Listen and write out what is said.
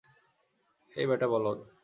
ওই ব্যাটা বলদ!